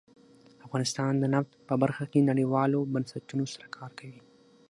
افغانستان د نفت په برخه کې نړیوالو بنسټونو سره کار کوي.